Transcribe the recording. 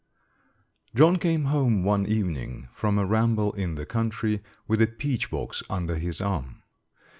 John came home one evening from a ramble in the country with a peach box under his arm.